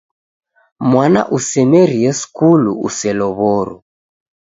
Mwana usemerie skulu uselow'oro.